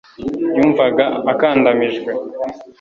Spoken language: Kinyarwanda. Yumvaga akandamijwe